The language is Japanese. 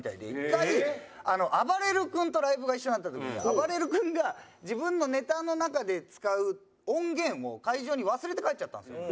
１回あばれる君とライブが一緒になった時にあばれる君が自分のネタの中で使う音源を会場に忘れて帰っちゃったんですよ。